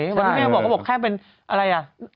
คุณแม่บอกว่าแค่เป็นอะไรอ่ะ